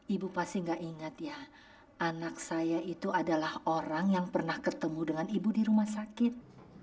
ibu pasti gak ingat ya anak saya itu adalah orang yang pernah ketemu dengan ibu di rumah sakit